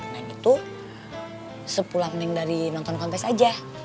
neng itu sepulang neng dari nonton kontes aja